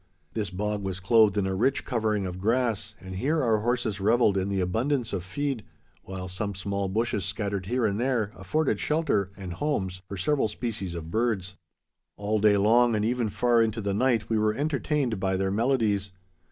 This bog was clothed in a rich covering of grass, and here our horses revelled in the abundance of feed, while some small bushes scattered here and there afforded shelter and homes for several species of birds. All day long and even far into the night we were entertained by their melodies.